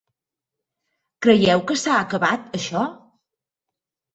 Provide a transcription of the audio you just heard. Creieu que s'ha acabat, això?